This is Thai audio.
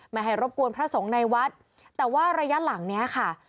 ไม่ให้รบกวนพระสงฆ์ในวัดแต่ว่าระยะหลังเนี้ยค่ะ